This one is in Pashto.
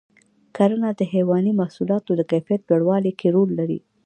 کرنه د حیواني محصولاتو د کیفیت لوړولو کې رول لري.